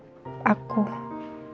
sejak dia dituduh sebagai penyebab